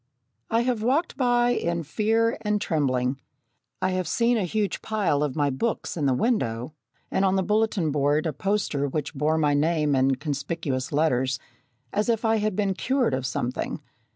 I have walked by in fear and trembling. I have seen a huge pile of my books in the window, and on the bulletin board a poster which bore my name in conspicuous letters, as if I had been cured of something.